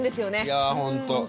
いやぁほんと。